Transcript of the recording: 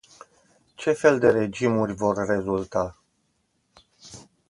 Ce fel de regimuri vor rezulta?